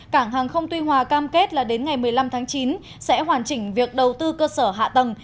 cảng hàng không tuy hòa cam kết là đến ngày một mươi năm tháng chín sẽ hoàn chỉnh việc đầu tư cơ sở hạ tầng